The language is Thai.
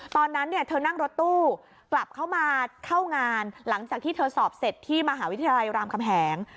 ตอนนั้นเนี่ยเธอนั่งรถตู้กลับเข้ามาเข้างานหลังจากที่เธอสอบเสร็จที่มหาวิทยาลัยรามคำแหง